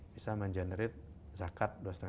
bisa mengenerate zakat